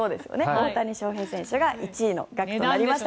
大谷翔平選手が１位となりました。